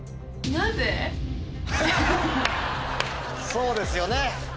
そうですよね。